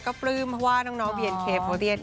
ก็เลยถูกเหล็กแล้วก็ไหล